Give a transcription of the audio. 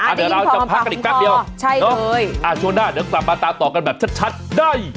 อ่าเดี๋ยวเราจะพักกันอีกครั้งเดียวใช่เลยอ่าช่วงหน้าเดี๋ยวกลับมาตามต่อกันแบบชัดชัดได้